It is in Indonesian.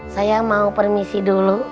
saya mau permisi dulu